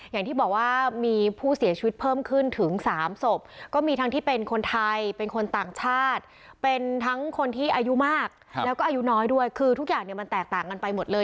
อย่างที่บอกว่ามีผู้เสียชีวิตเพิ่มขึ้นถึง๓ศพก็มีทั้งที่เป็นคนไทยเป็นคนต่างชาติเป็นทั้งคนที่อายุมากแล้วก็อายุน้อยด้วยคือทุกอย่างเนี่ยมันแตกต่างกันไปหมดเลย